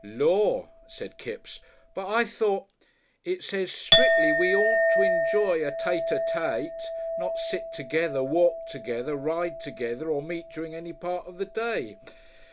"Lor'!" said Kipps, "but I thought . It says strictly we oughtn't to enjoy a tater tay, not sit together, walk together, ride together or meet during any part of the day.